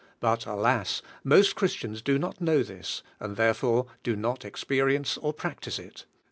But, alas! most Christians do not know this, and therefore do not experience or practice it.